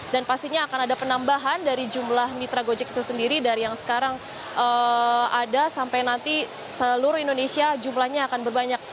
dan pastinya akan ada penambahan dari jumlah mitra gojek itu sendiri dari yang sekarang ada sampai nanti seluruh indonesia jumlahnya akan berbanyak